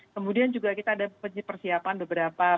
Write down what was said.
kemudian juga kita ada persiapan beberapa